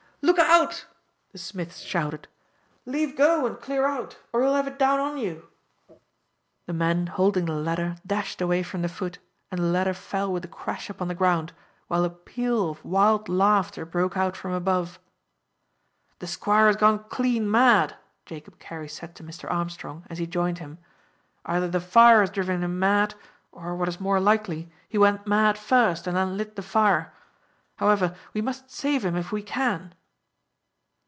"Look out!" the smith shouted, "leave go and clear out, or he will have it down on you." The men holding the ladder dashed away from the foot, and the ladder fell with a crash upon the ground, while a peal of wild laughter broke out from above. "The Squire has gone clean mad," Jacob Carey said to Mr. Armstrong, as he joined him; "either the fire has driven him mad, or, what is more likely, he went mad first and then lit the fire. However, we must save him if we can."